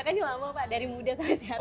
kan ini lama pak dari muda sampai sekarang